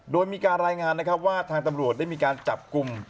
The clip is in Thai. โดยมีการรายงานนะครับว่าทางตำรวจได้มีการจับกลุ่ม